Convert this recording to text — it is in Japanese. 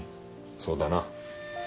そうだな。